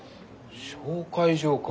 紹介状か。